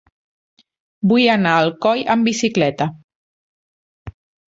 Vull anar a Alcoi amb bicicleta.